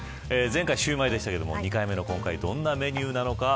前回シューマイですが２回目の今回どんなメニューなのか。